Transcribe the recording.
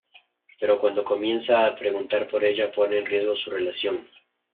Pero cuando comienza a preguntar por ella, pone en riesgo su relación.